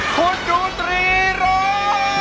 คุณดูตรีร้อง